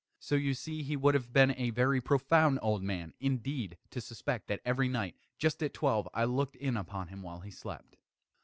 So you see he would have been a very profound old man, indeed, to suspect that every night, just at twelve, I looked in upon him while he slept.